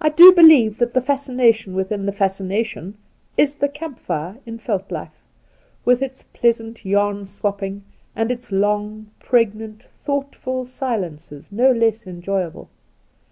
I do believe that the fascination within the fascination is the camp fire in veld life, with its pleasant yarn swapping^ and its long, pregnant, thoughtful silences, no less enjoyable.